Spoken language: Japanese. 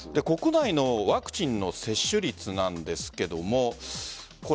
国内のワクチンの接種率なんですけれども。